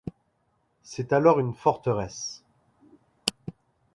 C'est alors une forteresse.